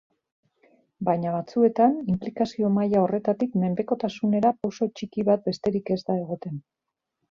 Baina batzuetan inplikazio maila horretatik menpekotasunera pauso txiki bat besterik ez da egoten.